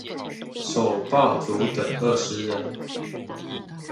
首報族等二十人